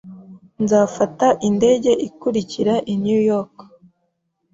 Nzafata indege ikurikira i New York.